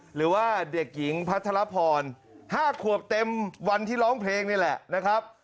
หรือว่าเด็กหญิงพัทรพร๕ขวบเต็มวันที่ร้องเพลงนี่แหละนะครับ